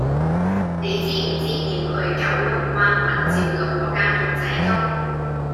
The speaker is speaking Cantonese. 你知唔知點去九龍灣宏照道嗰間缽仔糕